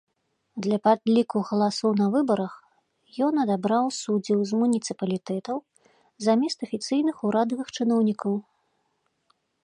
Для падліку галасоў на выбарах ён адабраў суддзяў з муніцыпалітэтаў замест афіцыйных урадавых чыноўнікаў.